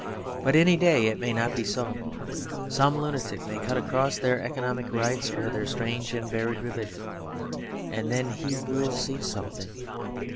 But any day it may not be so; some lunatic may cut across their economic rights or their strange and buried religion; and then he will see something.